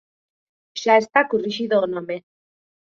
Xa está corrixido o nome.